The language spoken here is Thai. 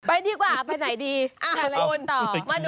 ไปดีกว่าไปไหนดี